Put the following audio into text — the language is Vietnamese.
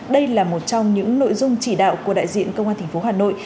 đây là một trong những nội dung chỉ đạo của đại diện công an thành phố hà nội